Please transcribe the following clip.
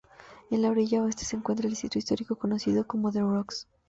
En la orilla oeste se encuentra el distrito histórico conocido como The Rocks.